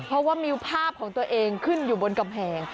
เพราะว่ามีภาพของตัวเองขึ้นอยู่บนกำแพง